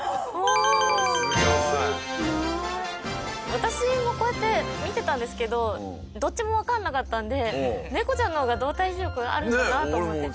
私もこうやって見てたんですけどどっちもわかんなかったので猫ちゃんの方が動体視力あるんだなと思って。